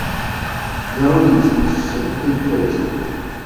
姚以婷審定推薦